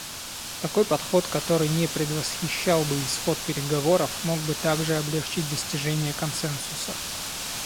Такой подход, который не предвосхищал бы исход переговоров, мог бы также облегчить достижение консенсуса.